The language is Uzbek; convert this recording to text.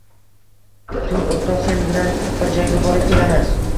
Tur o`rtoq, sen bilan bir joyga borib kelamiz